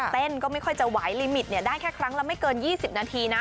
เต้นก็ไม่ค่อยจะไหวลิมิตได้แค่ครั้งละไม่เกิน๒๐นาทีนะ